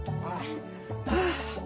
はあ。